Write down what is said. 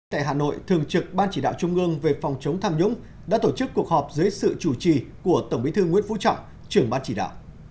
tại hà nội thường trực ban chỉ đạo trung ương về phòng chống tham nhũng đã tổ chức cuộc họp dưới sự chủ trì của tổng bí thư nguyễn phú trọng trưởng ban chỉ đạo